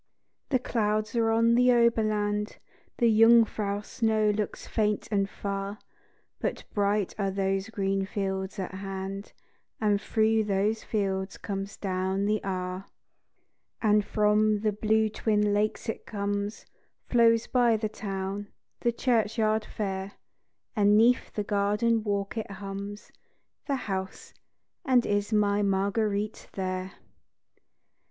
The clouds are on the Oberland, 5 The Jungfrau snows look faint and far; But bright are those green fields at hand, And through those fields comes down the Aar, And from the blue twin lakes it comes, Flows by the town, the church yard fair, 10 And 'neath the garden walk it hums, The house and is my Marguerite there?